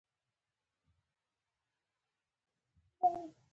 چې له ښځو سره يې ډېر سرو کارو پاتې شوى